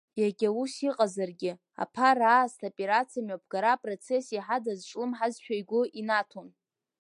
Иагьа ус иҟазаргьы, аԥара аасҭа аоперациа мҩаԥгара апроцесс иаҳа дазҿлымҳазшәа игәы инаҭон.